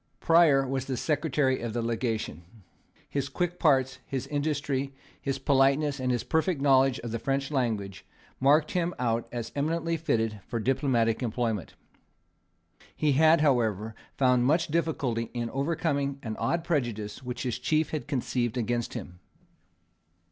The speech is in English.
Prior was Secretary of Legation. His quick parts, his industry, his politeness, and his perfect knowledge of the French language, marked him out as eminently fitted for diplomatic employment. He had, however, found much difficulty in overcoming an odd prejudice which his chief had conceived against him.